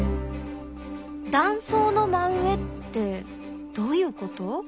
断層の真上ってどういうこと？